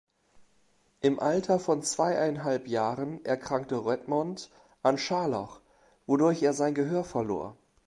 Im Alter von zweieinhalb Jahren erkrankte Redmond an Scharlach, wodurch er sein Gehör verlor.